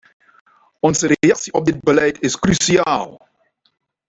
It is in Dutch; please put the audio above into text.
Onze reactie op dit beleid is cruciaal.